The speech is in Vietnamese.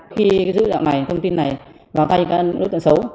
khi cái dữ liệu này thông tin này vào tay các đối tượng xấu